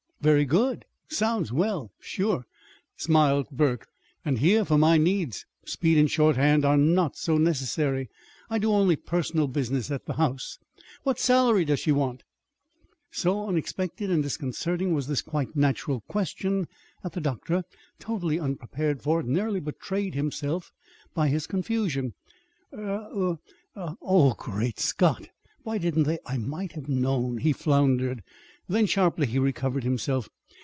"Very good! Sounds well, sure," smiled Burke. "And here, for my needs, speed and shorthand are not so necessary. I do only personal business at the house. What salary does she want?" So unexpected and disconcerting was this quite natural question that the doctor, totally unprepared for it, nearly betrayed himself by his confusion. "Eh? Er ah oh, great Scott! Why didn't they I might have known " he floundered. Then, sharply, he recovered himself.